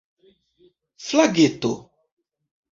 flageto